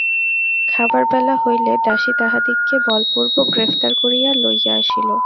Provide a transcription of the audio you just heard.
খাবার বেলা হইলে দাসী তাহাদিগকে বলপূর্বক গ্রেফতার করিয়া লইয়া আসিল।